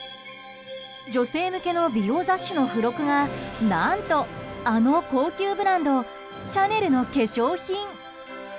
女性向けの美容雑誌の付録が何とあの高級ブランドシャネルの化粧品。